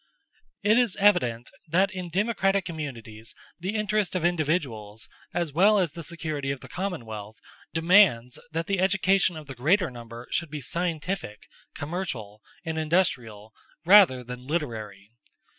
It is evident that in democratic communities the interest of individuals, as well as the security of the commonwealth, demands that the education of the greater number should be scientific, commercial, and industrial, rather than literary.